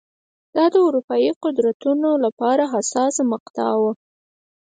دا د اروپايي قدرتونو لپاره حساسه مقطعه وه.